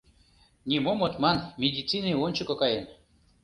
— Нимом от ман, медицине ончыко каен.